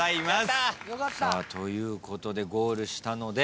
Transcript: ということでゴールしたので。